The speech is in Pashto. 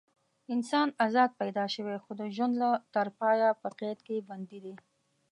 انسان ازاد پیدا شوی خو د ژوند تر پایه په قید کې بندي دی.